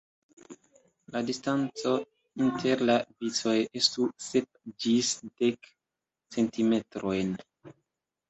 La distanco inter la vicoj estu sep ĝis dek centimetrojn.